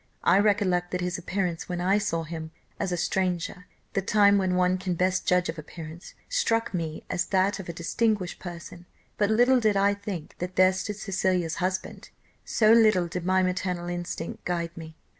I recollect that his appearance when I saw him as a stranger the time when one can best judge of appearance struck me as that of a distinguished person; but little did I think that there stood Cecilia's husband! so little did my maternal instinct guide me.